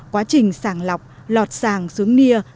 quá trình sàng lọc lọt sàng xuống nia